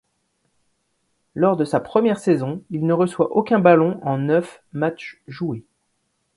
Lors de sa première saison, il ne reçoit aucun ballon en neuf matchs joués.